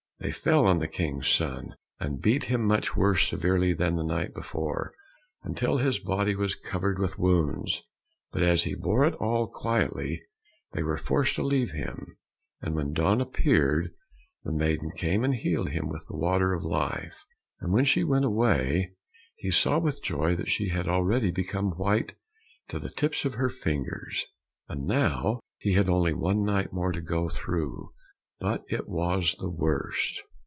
They fell on the King's son, and beat him much more severely than the night before, until his body was covered with wounds. But as he bore all quietly, they were forced to leave him, and when dawn appeared, the maiden came and healed him with the water of life. And when she went away, he saw with joy that she had already become white to the tips of her fingers. And now he had only one night more to go through, but it was the worst.